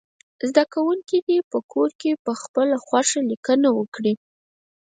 زده کوونکي دې په کور کې پخپله خوښه لیکنه وکړي.